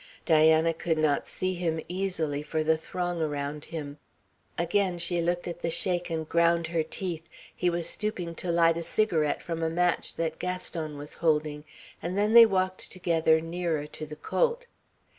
Diana could not see him easily for the throng around him. Again she looked at the Sheik and ground her teeth. He was stooping to light a cigarette from a match that Gaston was holding, and then they walked together nearer to the colt.